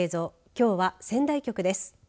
きょうは仙台局です。